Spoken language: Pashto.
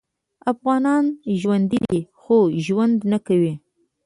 افغانان ژوندي دې خو ژوند نکوي